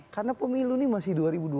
karena pemilu ini masih dua ribu dua puluh empat